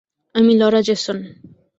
আমি Laura Jason.